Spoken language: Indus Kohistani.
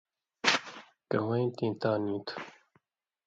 کوَیں تیں تاں نی تُھو